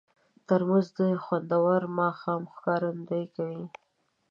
ترموز د خوندور ماښام ښکارندویي کوي.